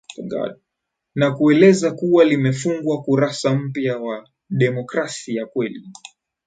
na kueleza kuwa limefungua kurasa mpya ya demokrasi ya kweli